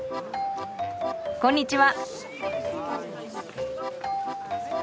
こんにちは。